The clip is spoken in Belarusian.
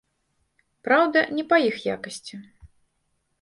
Праўда, не па іх якасці.